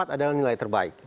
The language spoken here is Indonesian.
empat adalah nilai terbaik